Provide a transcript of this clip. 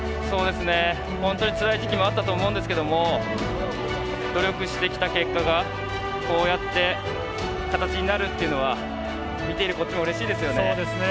本当につらい時期もあったと思うんですけど努力してきた結果がこうやって形になるっていうのは見ているこっちもうれしいですよね。